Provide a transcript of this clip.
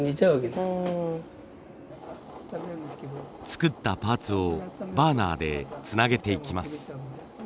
作ったパーツをバーナーでつなげていきます。